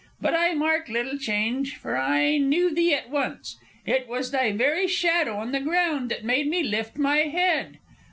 But I mark little change, for I knew thee at once. It was thy very shadow on the ground that made me lift my head.